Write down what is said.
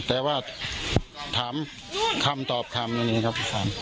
แต่ว่าถามคำตอบคำอย่างนี้ครับ